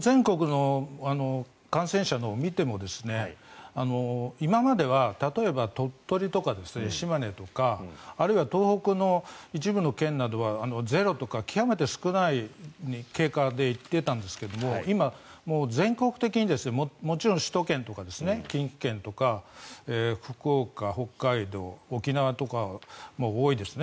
全国の感染者を見ても今までは例えば、鳥取とか島根とかあるいは東北の一部の県などはゼロとか極めて少ない経過で行っていたんですけれども今、もう全国的にもちろん首都圏とか近畿圏とか福岡、北海道、沖縄とかも多いですね。